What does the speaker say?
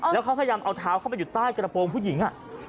แล้วเขาพยายามเอาเท้าเข้าไปอยู่ใต้กระโปรงผู้หญิง